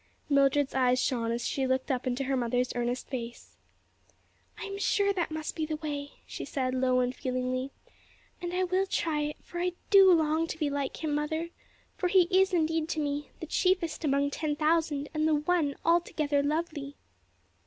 Mildred's eyes shone as she looked up into her mother's earnest face. "I am sure that must be the way," she said, low and feelingly, "and I will try it; for I do long to be like Him, mother; for He is indeed to me, 'the chiefest among ten thousand and the one altogether lovely!'"